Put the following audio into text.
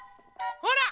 ほら！